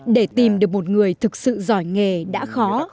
để tìm được một người thực sự giỏi nghề đã khó